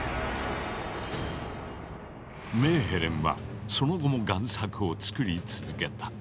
メーヘレンはその後も贋作を作り続けた。